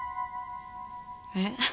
えっ？